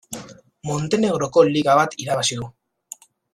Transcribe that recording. Montenegroko liga bat irabazi du.